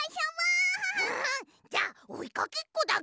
じゃあおいかけっこだぐ。